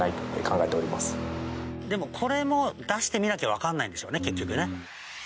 でもこれも出してみなきゃわかんないんでしょうね結局ね。